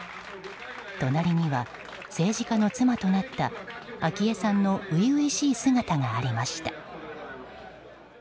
隣には政治家の妻となった昭恵さんの初々しい姿がありました。